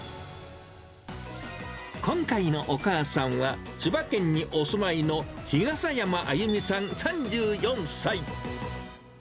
今回のお母さんは、千葉県にお住いの、日笠山あゆみさん３４歳。